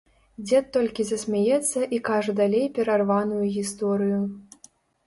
Дзед толькі засмяецца і кажа далей перарваную гісторыю.